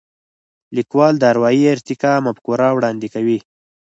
لیکوال د اروايي ارتقا مفکوره وړاندې کوي.